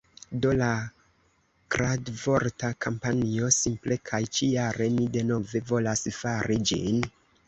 Do, la kradvorta kampanjo simple kaj ĉi-jare mi denove volas fari ĝin